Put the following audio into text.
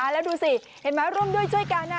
แล้วดูสิร่วมด้วยช่วยกัน